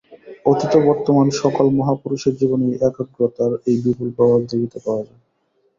অতীত ও বর্তমান সকল মহাপুরুষের জীবনেই একাগ্রতার এই বিপুল প্রভাব দেখিতে পাওয়া যায়।